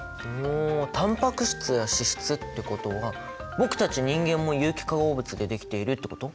タンパク質や脂質ってことは僕たち人間も有機化合物でできているってこと？